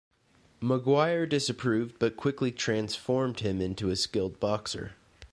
Maguire disapproved, but quickly transformed him into a skilled boxer.